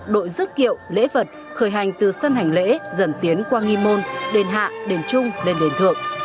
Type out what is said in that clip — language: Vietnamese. đội dứt kiệu lễ vật khởi hành từ sân hành lễ dân tiến qua nghi môn đền hạ đền trung lên đền thượng